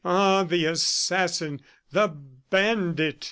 "Ah, the assassin! ... the bandit!"